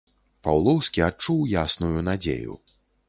Паўлоўскі адчуў ясную надзею.